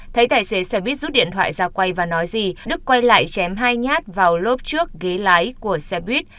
thấy tài xế xe buýt rút điện thoại ra quay và nói gì đức quay lại chém hai nhát vào lốp trước ghế lái của xe buýt